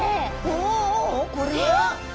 おおこれは！